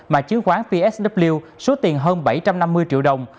mà chứng khoán psw số tiền hơn bảy trăm năm mươi triệu đồng